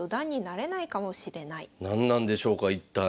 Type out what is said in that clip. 何なんでしょうか一体。